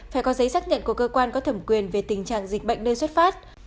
phải có giấy xác nhận của cơ quan có thẩm quyền về tình trạng dịch bệnh nơi xuất phát